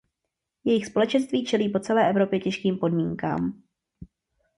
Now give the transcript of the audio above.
Jejich společenství čelí po celé Evropě těžkým podmínkám.